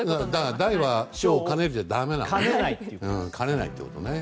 大は小を兼ねるじゃだめなのね。